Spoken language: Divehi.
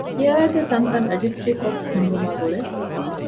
ކިޔަވައިދޭ ތަންތަން ރަޖިސްޓްރީ ކޮށް ހިންގުމާ ގުޅޭ